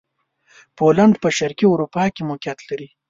پولېنډ په شرقي اروپا کښې موقعیت لري.